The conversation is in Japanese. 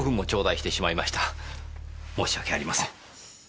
申し訳ありません。